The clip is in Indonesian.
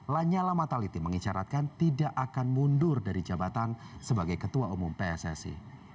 lanyala mataliti mengicaratkan tidak akan mundur dari jabatan sebagai ketua umum pssi